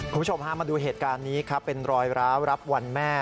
คุณผู้ชมพามาดูเหตุการณ์นี้ครับเป็นรอยร้าวรับวันแม่